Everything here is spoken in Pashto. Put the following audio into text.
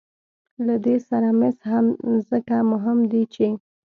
له دې سره مس هم ځکه مهم دي چې